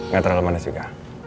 gak terlalu manis juga